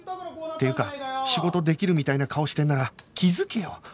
っていうか仕事できるみたいな顔してるなら気づけよ！